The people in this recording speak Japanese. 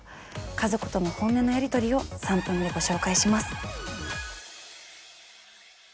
家族との本音のやり取りを３分でご紹介します。